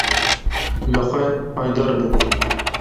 Li xwe haydarbin.